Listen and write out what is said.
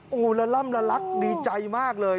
โอ้โหละล่ำละลักดีใจมากเลย